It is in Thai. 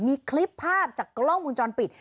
มีคลิปภาพจากกล้องมุมจรปิด